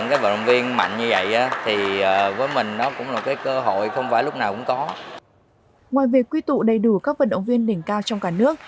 ngoài việc quy tụ đầy đủ các vận động viên đỉnh cao trong cả nước